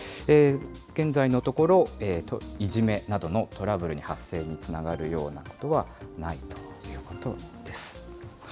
現在のところ、いじめなどのトラブルの発生につながるようなことはないということです。